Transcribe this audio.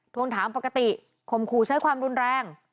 ทวงถามปกติข่มขู่ใช้ความรุนแรง